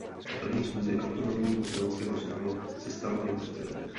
Na první schůzi autonomního slovenského sněmu se stal jeho předsedou.